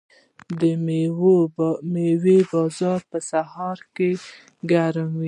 د میوو بازارونه په سهار کې ګرم وي.